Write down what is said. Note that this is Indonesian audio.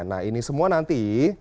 nah ini semua nanti